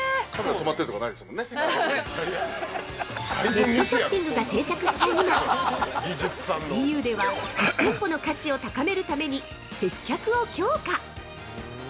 ◆ネットショッピングが定着した今、ＧＵでは実店舗の価値を高めるために接客を強化。